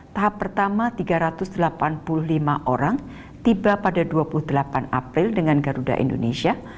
tahap pertama tiga ratus delapan puluh lima orang tiba pada dua puluh delapan april dengan garuda indonesia